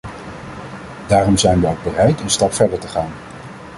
Daarom zijn we ook bereid een stap verder te gaan.